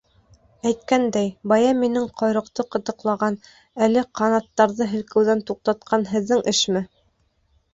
Әйткәндәй, бая минең ҡойроҡто ҡытыҡлаған, әле ҡанаттарҙы һелкеүҙән туҡтатҡан һеҙҙең эшме?